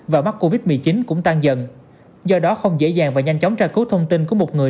và mắc covid một mươi chín cũng tăng dần do đó không dễ dàng và nhanh chóng tra cứu thông tin của một người